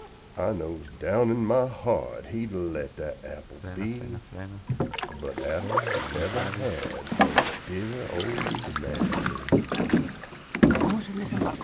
I knows down in my heart he'd a let dat apple be, But Adam nevuh had no dear old Ma am my.